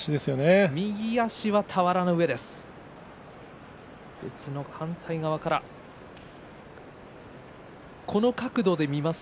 右足は俵の上です。